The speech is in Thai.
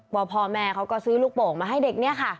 พ่อแม่เขาก็ซื้อลูกโป่งมาให้เด็กเนี่ยค่ะ